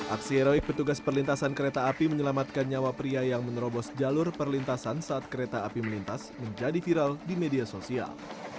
aksi heroik petugas perlintasan kereta api menyelamatkan nyawa pria yang menerobos jalur perlintasan saat kereta api melintas menjadi viral di media sosial